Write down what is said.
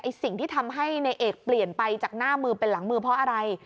สิ่งที่ทำให้ในเอกเปลี่ยนไปจากหน้ามือเป็นหลังมือเพราะอะไร